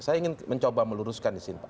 saya ingin mencoba meluruskan di sini